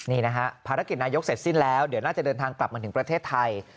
นี่นะฮะภารกิจนายกเสร็จสิ้นแล้วเดี๋ยวน่าจะเดินทางกลับมาถึงประเทศไทย